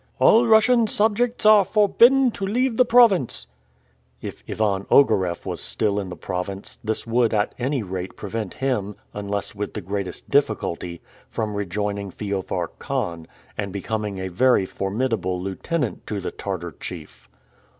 "All Russian subjects are forbidden to leave the province;" if Ivan Ogareff was still in the province, this would at any rate prevent him, unless with the greatest difficulty, from rejoining Feofar Khan, and becoming a very formidable lieutenant to the Tartar chief.